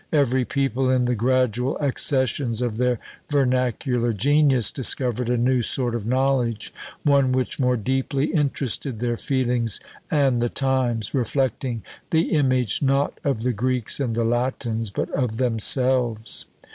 Every people, in the gradual accessions of their vernacular genius, discovered a new sort of knowledge, one which more deeply interested their feelings and the times, reflecting the image, not of the Greeks and the Latins, but of themselves!